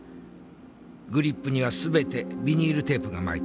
グリップには全てビニールテープが巻いてある。